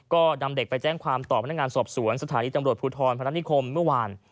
ก็นำเด็กไปแจ้งความต่อพนักงานสอบสวนสถานีตำรวจภูทรพนัฐนิคมเมื่อวาน